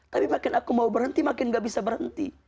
tapi makin aku mau berhenti makin gak bisa berhenti